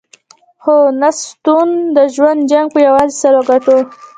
هو، نستوه د ژوند جنګ پهٔ یوازې سر وګاټهٔ!